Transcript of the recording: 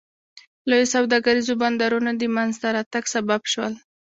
لویو سوداګریزو بندرونو د منځته راتګ سبب شول.